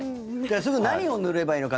すぐ何を塗ればいいのか。